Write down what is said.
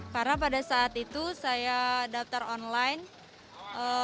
karena pada saat itu saya daftar online